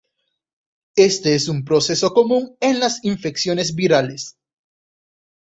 Este es un proceso común en las infecciones virales.